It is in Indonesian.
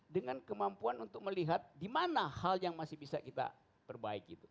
dengan kemampuan untuk melihat di mana hal yang masih bisa kita perbaiki